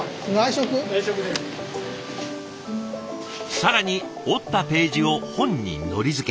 更に折ったページを本にのり付け。